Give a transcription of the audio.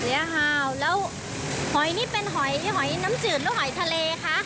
แล้วฮาวแล้วหอยนี่เป็นหอยหอยน้ำจืดหรือหอยทะเลคะ